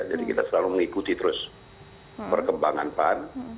jadi kita selalu mengikuti terus perkembangan pan